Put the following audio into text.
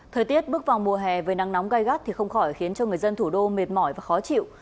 thời tiết bước vào mùa hè với nắng nóng gai gắt thì không khỏi khiến cho người dân thủ đô mệt mỏi và khó chịu